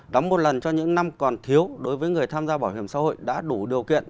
đóng một lần cho những năm còn thiếu đối với người tham gia bảo hiểm xã hội đã đủ điều kiện